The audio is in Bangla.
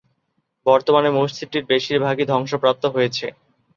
বর্তমানে মসজিদটির বেশিরভাগই ধ্বংসপ্রাপ্ত হয়েছে।